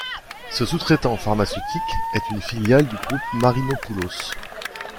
Ce sous-traitant pharmaceutique est une filiale du groupe Marinopoulos.